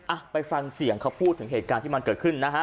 อ่ะไปฟังเสียงเขาพูดถึงเหตุการณ์ที่มันเกิดขึ้นนะฮะ